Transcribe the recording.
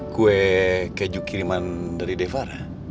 kue keju kiriman dari devara